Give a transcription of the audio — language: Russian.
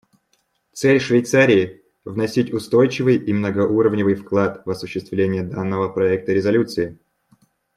Цель Швейцарии — вносить устойчивый и многоуровневый вклад в осуществление данного проекта резолюции.